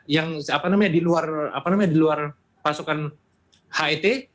yang diluar pasukan hit